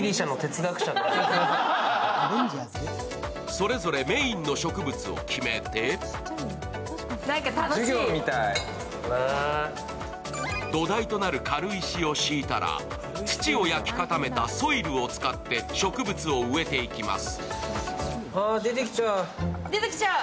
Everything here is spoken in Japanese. それぞれメーンの植物を決めて土台となる軽石を敷いたら、土を焼き固めたソイルを使って植物を植えていきます。